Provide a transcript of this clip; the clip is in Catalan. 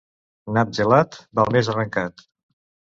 Nap gelat, val més arrencat.